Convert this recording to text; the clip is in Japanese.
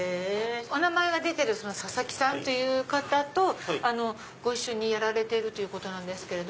お名前が出てる佐々木さんという方とご一緒にやられてるということですけど。